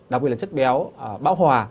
đặc biệt là chất béo bão hòa